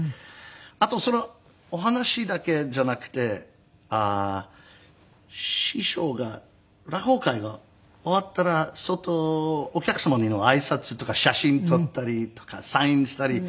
あとそのお話だけじゃなくて師匠が落語会が終わったら外お客様への挨拶とか写真撮ったりとかサインしたり。